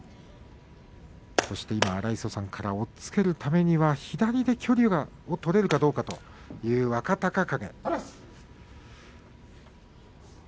そして今、荒磯さんから押っつけるためには左で距離を取れるかどうかという話がありました若隆景。